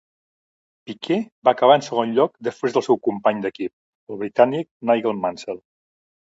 Piquet va acabar en segon lloc després del seu company d'equip, el britànic Nigel Mansell.